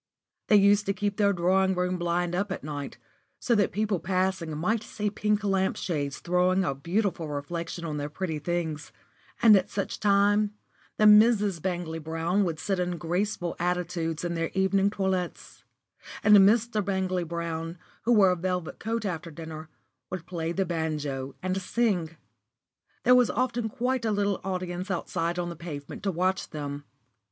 They used to keep their drawing room blind up at night, so that people passing might see pink lamp shades throwing a beautiful reflection on their pretty things; and at such times the Misses Bangley Brown would sit in graceful attitudes in their evening toilets, and Mr. Bangley Brown, who wore a velvet coat after dinner, would play the banjo and sing. There was often quite a little audience outside on the pavement to watch them.